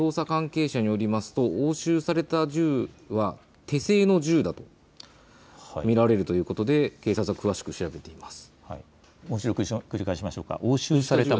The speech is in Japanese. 今、入った情報なんですが捜査関係者によりますと押収された銃は手製の銃だと見られるということで警察は詳しく調べています。